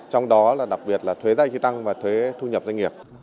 trong đó là đặc biệt là thuế giai trí tăng và thuế thu nhập doanh nghiệp